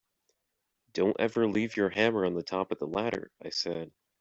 Don’t ever leave your hammer on the top of the ladder, I said.